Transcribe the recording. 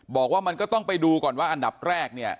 บอกว่ามันก็ต้องไปดูก่อนว่าอันดับแรกเนี่ย